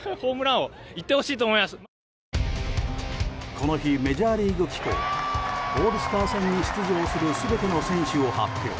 この日メジャーリーグ機構はオールスター戦に出場する全ての選手を発表。